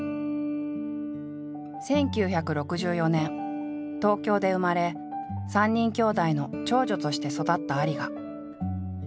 １９６４年東京で生まれ３人きょうだいの長女として育った有賀。